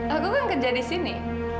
aku kan kerja disini